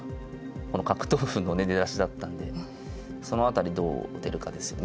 この角頭歩のね出だしだったんでその辺りどう出るかですよね。